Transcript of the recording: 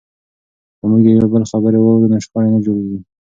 که موږ د یو بل خبرې واورو نو شخړې نه جوړیږي.